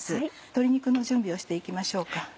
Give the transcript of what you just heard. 鶏肉の準備をして行きましょうか。